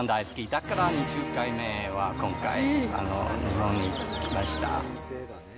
だから２０回目は今回、日本に来ました。